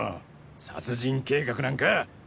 殺人計画なんか！